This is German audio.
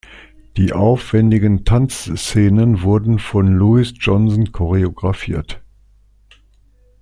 Die aufwendigen Tanzszenen wurden von Louis Johnson choreographiert.